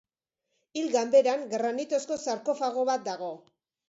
Hil ganberan granitozko sarkofago bat dago.